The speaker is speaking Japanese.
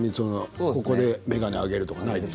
ここで眼鏡を上げるとか。